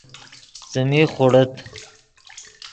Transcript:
څیمی خوڑیت